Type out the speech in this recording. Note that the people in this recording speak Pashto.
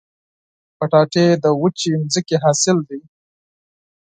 کچالو د وچې ځمکې حاصل دی